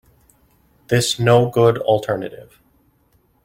This no good alternative.